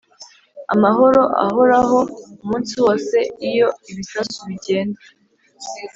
amahoro ahoraho!umunsi wose iyo ibisasu bigenda